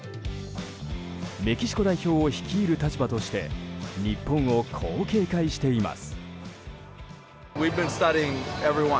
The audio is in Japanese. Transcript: メキシコ代表を率いる立場として日本をこう警戒しています。